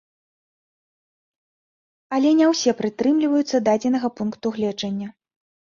Але не ўсе прытрымліваюцца дадзенага пункту гледжання.